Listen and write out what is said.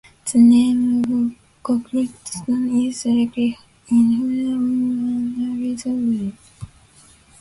The name of Crookston is likely in honour of an early surveyor.